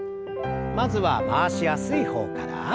まずは回しやすい方から。